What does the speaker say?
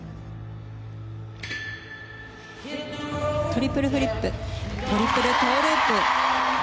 トリプルフリップトリプルトウループ。